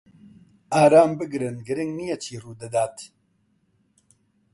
ئارام بگرن، گرنگ نییە چی ڕوودەدات.